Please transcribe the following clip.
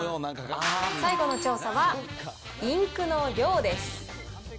最後の調査はインクの量です。